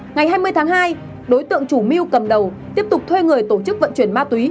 ngày hai mươi tháng hai đối tượng chủ mưu cầm đầu tiếp tục thuê người tổ chức vận chuyển ma túy